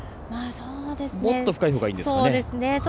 もっと深いほうがいいですか。